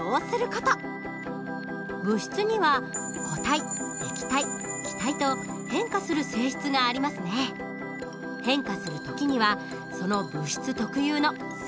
物質には固体液体気体と変化する性質がありますね。変化する時にはその物質特有の性質が現れます。